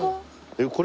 えっこれ？